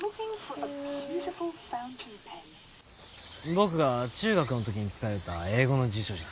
僕が中学の時に使ようった英語の辞書じゃ。